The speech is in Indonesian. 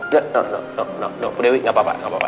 nggak nggak nggak bu dewi gak papa